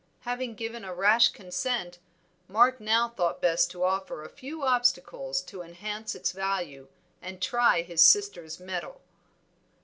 Having given a rash consent, Mark now thought best to offer a few obstacles to enhance its value and try his sister's mettle.